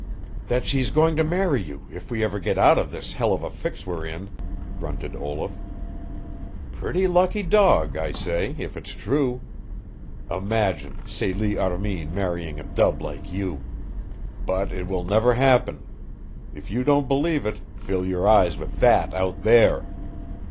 "That she's going to marry you if we ever get out of this hell of a fix we're in," grunted Olaf. "Pretty lucky dog, I say, if it's true. Imagine Celie Armin marrying a dub like you! But it will never happen. If you don't believe it fill your eyes with that out there!"